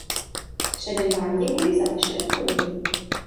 Předem vám děkuji za vaše odpovědi.